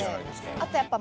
あとやっぱ。